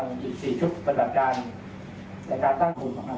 มีอะไรที่จะรุ่นของฝ่ายต้องข้ามติดตามต่อเราในชาติธรรมศาลกราช